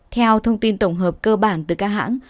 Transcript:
theo thông tin tổng hợp cơ bản từ các hãng